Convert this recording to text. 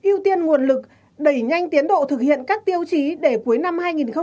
ưu tiên nguồn lực đẩy nhanh tiến độ thực hiện các tiêu chí để cuối năm hai nghìn hai mươi